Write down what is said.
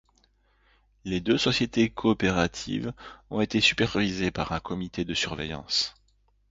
Les deux sociétés coopératives ont été supervisées par un comité de surveillance.